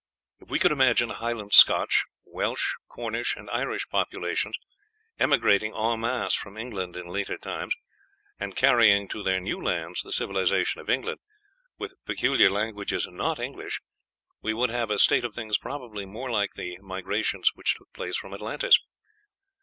If we could imagine Highland Scotch, Welsh, Cornish, and Irish populations emigrating en masse from England in later times, and carrying to their new lands the civilization of England, with peculiar languages not English, we would have a state of things probably more like the migrations which took place from Atlantis.